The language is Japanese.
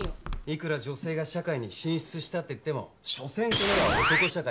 いくら女性が社会に進出したっていってもしょせんこの世は男社会だ。